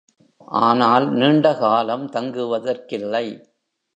ஆனால், நீண்ட காலம் தங்குவதற்கில்லை.